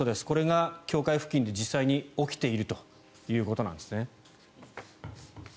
これが境界付近で、実際に起きているということですね。